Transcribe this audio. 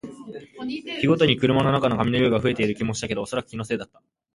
日ごとに車の中の紙の量が増えている気もしたけど、おそらく気のせいだった